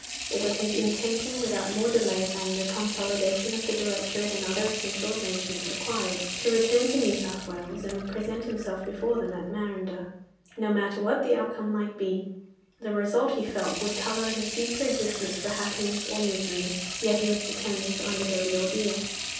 It was his intention, without more delay than the consolidation of the directorate and other essential arrangements required, to return to New South Wales, and present himself before them at Marondah, no matter what the outcome might be. The result he felt would colour his future existence for happiness or misery, yet he was determined to undergo the ordeal.